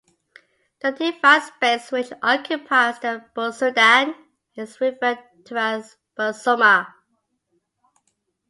The defined space which occupies the Butsudan is referred to as "Butsuma".